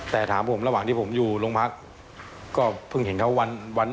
แต่ถามผมระหว่างที่ผมอยู่โรงพักก็เพิ่งเห็นเขาวัน